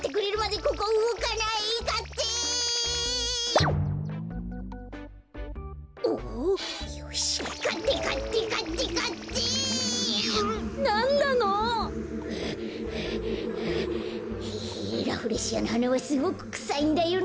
こころのこえヘヘッラフレシアのはなはすごくくさいんだよね。